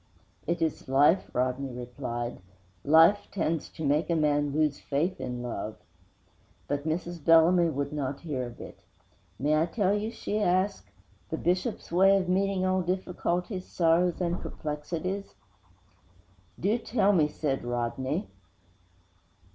'It is life,' Rodney replied. 'Life tends to make a man lose faith in love.' But Mrs. Bellamy would not hear of it. 'May I tell you,' she asked, 'the Bishop's way of meeting all difficulties, sorrows and perplexities?' 'Do tell me,' said Rodney.